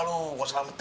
bukannya soal selamatin